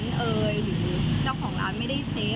ก็ไม่รู้ว่าเขาอาจจะอุ้มไปแล้วหรือเปล่า